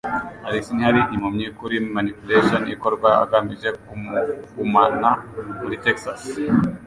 Alex ntiyari impumyi kuri manipulation ikorwa agamije kumugumana muri Texas.